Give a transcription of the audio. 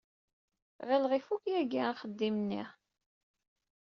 Ɣileɣ ifuk yagi axeddim-nni.